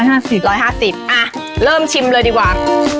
อ่ะเริ่มชิมเลยดีกว่า